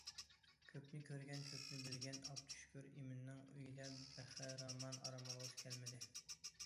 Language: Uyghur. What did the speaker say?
كۆپنى كۆرگەن، كۆپنى بىلگەن ئابدۇشۈكۈر ئىمىننىڭ ئۆيىدە بەخىرامان ئارام ئالغۇسى كەلمىدى.